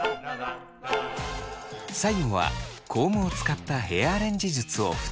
最後はコームを使ったヘアアレンジ術を２つ。